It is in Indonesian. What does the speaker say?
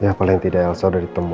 ya paling tidak elsa udah ditemu